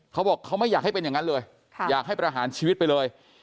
เขาบอกเขาไม่อยากให้เป็นอย่างนั้นเลยอยากให้ประหารชีวิตไปเลย